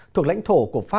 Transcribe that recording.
thuộc lãnh thổ của pháp